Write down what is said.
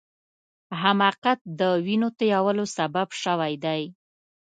حماقت د وینو تویولو سبب سوی دی.